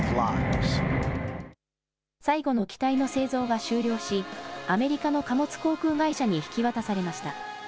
最後の機体の製造が終了しアメリカの貨物航空会社に引き渡されました。